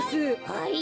はい！？